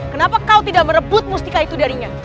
kenapa kau tidak merebut mustika itu darinya